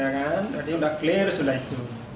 sudah clear sudah itu